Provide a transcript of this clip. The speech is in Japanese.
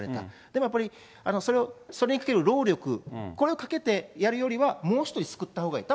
でもそれを、それにかける労力、これをかけてやるよりは、もう１人救ったほうがいい。